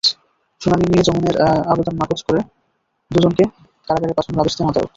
শুনানি নিয়ে জামিনের আবেদন নাকচ করে দুজনকে কারাগারে পাঠানোর আদেশ দেন আদালত।